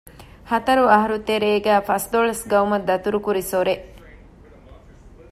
ހަތަރު އަަހަރުގެ ތެރޭގައި ފަސްދޮޅަސް ގައުމަށް ދަތުރު ކުރި ސޮރެއް